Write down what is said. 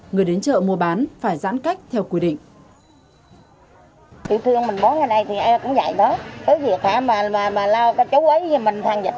người đến chợ mua bán phải giãn cách theo quy định